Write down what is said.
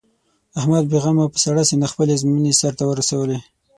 احمد بې غمه او په سړه سینه خپلې ازموینې سر ته ورسولې.